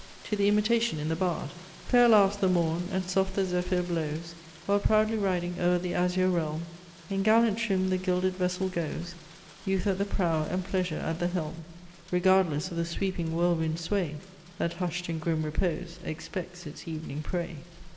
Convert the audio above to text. to the imitation in the Bard; Fair laughs the morn, and soft the zephyr blows While proudly riding o'er the azure realm In gallant trim the gilded vessel goes, Youth at the prow and pleasure at the helm; Regardless of the sweeping whirlwind's sway, That hush'd in grim repose, expects it's evening prey.